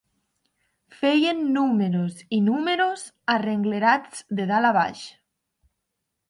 Feien números i números arrenglerats de dalt a baix